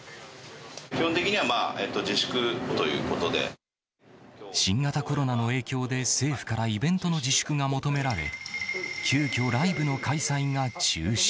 基本的にはまあ、自粛という新型コロナの影響で、政府からイベントの自粛が求められ、急きょ、ライブの開催が中止